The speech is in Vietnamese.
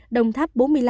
đồng tháp bốn mươi năm